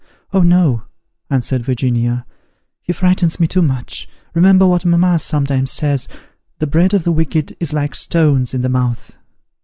"Oh, no," answered Virginia, "he frightens me too much. Remember what mamma sometimes says, 'The bread of the wicked is like stones in the mouth.'